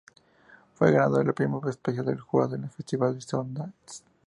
Fue ganadora del Premio Especial del Jurado en el Festival de Sundance.